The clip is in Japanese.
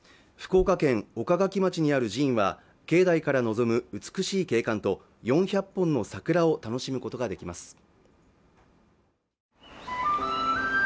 福岡県岡垣町にある寺院は境内から望む美しい景観と４００本の桜を楽しむことができます